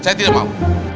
saya tidak mau